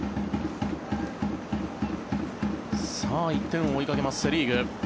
１点を追いかけますセ・リーグ。